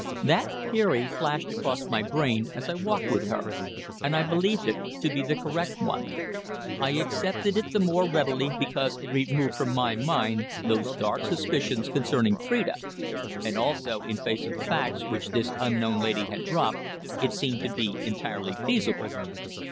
That theory flashed across my brain as I walked with her, and I believed it to be the correct one. I accepted it the more readily because it removed from my mind those dark suspicions concerning Phrida, and, also, in face of facts which this unknown lady had dropped, it seemed to be entirely feasible.